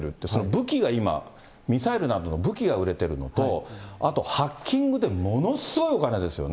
武器が今、ミサイルなどの武器が売れてるのと、あとハッキングでものすごいお金ですよね。